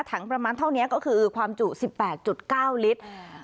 ประมาณเท่านี้ก็คือความจุ๑๘๙ลิตร